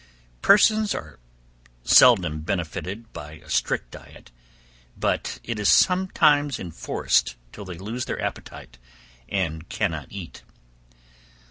Persons are seldom benefitted by a strict diet, but it is sometimes enforced till they lose their appetite and cannot eat.